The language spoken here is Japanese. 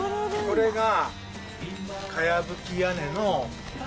これが。